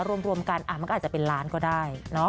รวมกันมันก็อาจจะเป็นล้านก็ได้